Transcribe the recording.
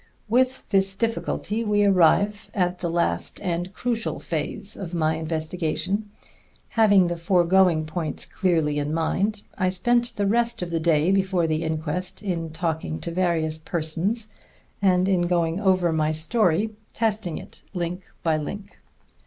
With this difficulty we arrive at the last and crucial phase of my investigation. Having the foregoing points clearly in mind, I spent the rest of the day before the inquest in talking to various persons and in going over my story, testing it link by link.